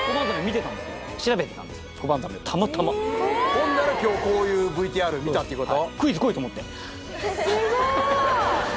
ほんなら今日こういうＶＴＲ見たっていうこと？